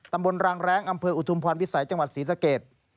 รางแร้งอำเภออุทุมพรวิสัยจังหวัดศรีสเกต